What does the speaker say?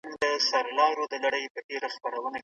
شاعران فرهنګي ارزښتونه خوندي کوي.